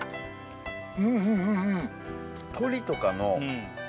うんうんうんうん。